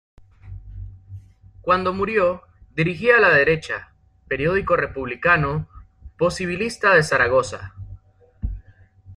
Cuando murió dirigía "La Derecha", periódico republicano posibilista de Zaragoza.